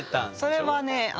それはね